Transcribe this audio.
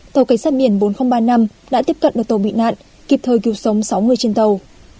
tàu cảnh sát biển bốn nghìn ba mươi năm đã tiếp cận được tàu bị nạn kịp thời cứu sống sáu người trên tàu